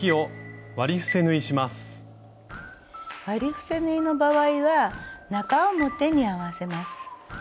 割り伏せ縫いの場合は中表に合わせます。